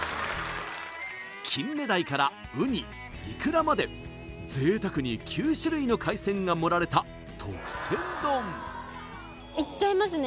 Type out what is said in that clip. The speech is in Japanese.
金目鯛からウニイクラまで贅沢に９種類の海鮮が盛られた特選丼いっちゃいますね